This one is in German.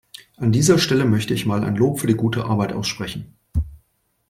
An dieser Stelle möchte ich mal ein Lob für die gute Arbeit aussprechen.